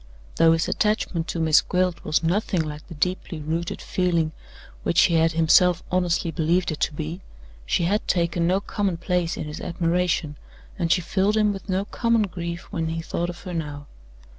Though his attachment to Miss Gwilt was nothing like the deeply rooted feeling which he had himself honestly believed it to be, she had taken no common place in his admiration, and she filled him with no common grief when he thought of her now.